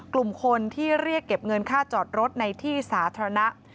กลุ่มคนที่เรียกเก็บเงินค่าจอดรถในที่สาธารณะ